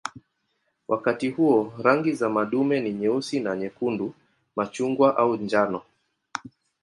Wakati huo rangi za madume ni nyeusi na nyekundu, machungwa au njano.